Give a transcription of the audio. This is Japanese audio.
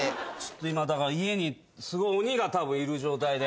今だから家にすごい鬼がたぶんいる状態で。